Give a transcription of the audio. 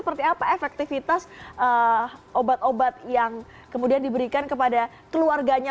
berapa efektifitas obat obat yang diberikan kepada keluarganya